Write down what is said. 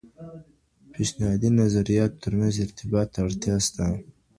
د پیشنهادي نظریاتو ترمنځ ارتباط ته اړتیا سته.